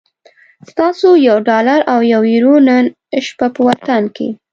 ستاسو یو ډالر او یوه یورو نن شپه په وطن کی